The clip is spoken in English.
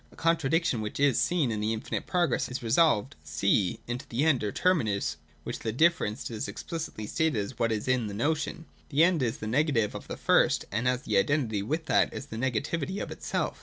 That contradiction which is seen in the infinite progress is resolved (c) into the end or terminus, where the differenced is explicitly stated as what it is in notion. The end is the negative of the first, and as the identity with that, is the negativity of itself.